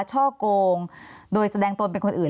ช่อกงโดยแสดงตนเป็นคนอื่น